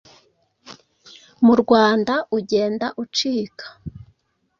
mu Rwanda ugenda ucika?